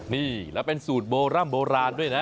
นี่แล้วเป็นสูตรโบร่ำโบราณด้วยนะ